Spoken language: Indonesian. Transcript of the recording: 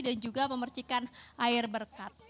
dan juga memercikan air berkat